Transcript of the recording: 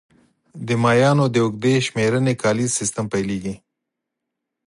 د مایانو د اوږدې شمېرنې کالیز سیستم پیلېږي